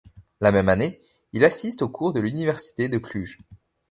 La même année, il assiste aux cours de l'université de Cluj.